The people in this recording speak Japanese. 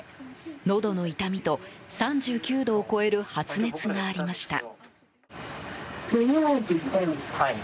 のどの痛みと、３９度を超える発熱がありました。